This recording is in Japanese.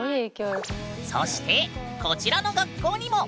そしてこちらの学校にも！